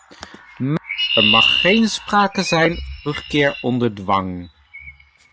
Maar er mag geen sprake zijn van terugkeer onder dwang.